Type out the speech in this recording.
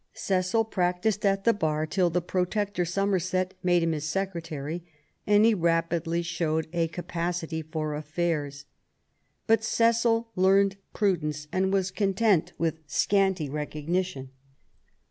Cecil practised at the bar till the Protector Somerset made him his secretary, and he rapidly showed a capacity for affairs. But Cecil learned prudence, and was content with scanty recog nition.